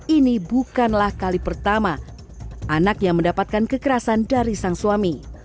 ini bukanlah kali pertama anak yang mendapatkan kekerasan dari sang suami